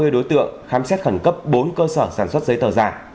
hai mươi đối tượng khám xét khẩn cấp bốn cơ sở sản xuất giấy tờ giả